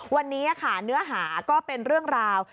วันนี้ค่ะเนื้อหาก็เป็นเรื่องราว